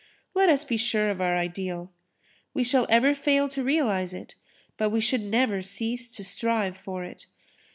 Let us be sure of our ideal. We shall ever fail to realise it, but we should never cease to strive for it.